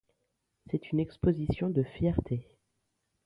C'est une exposition de fierté.